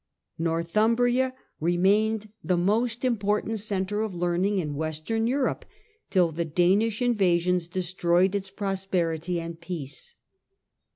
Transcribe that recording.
Nor thumbria remained the most important centre of learning in Western Europe till the Danish invasions destroyed its prosperity and peace.